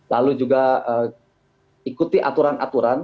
lalu juga ikuti aturan aturan